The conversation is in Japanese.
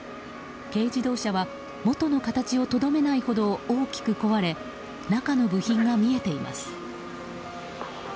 軽自動車は元の形をとどめないほど大きく壊れ中の部品が見えています。